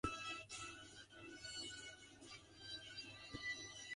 She is married to The Weakerthans' lead singer, John K. Samson.